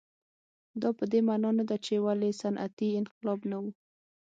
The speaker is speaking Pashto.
دا په دې معنا نه ده چې ولې صنعتي انقلاب نه و.